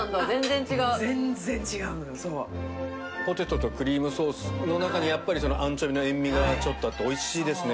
櫂謄とクリームソースの中にアンチョビの塩味がちょっとあって美味しいですね。